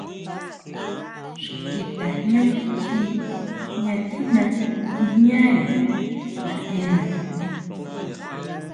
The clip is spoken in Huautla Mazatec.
Xki tajñú ji jña tijna nguijñare naʼena.